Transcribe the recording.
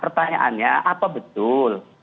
pertanyaannya apa betul